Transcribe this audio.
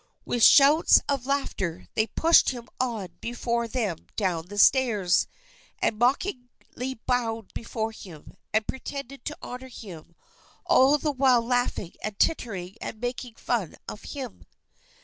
With shouts of laughter they pushed him on before them down the stairs, and mockingly bowed before him, and pretended to honor him, all the while laughing and tittering and making fun of him.